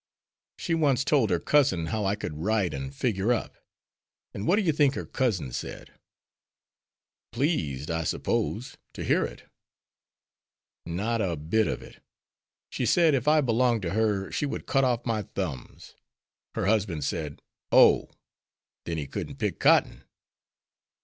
She once told her cousin how I could write and figure up. And what do you think her cousin said?" "'Pleased,' I suppose, 'to hear it.'" "Not a bit of it. She said, if I belonged to her, she would cut off my thumbs; her husband said, 'Oh, then he couldn't pick cotton.'